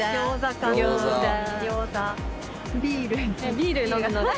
ビール飲むので。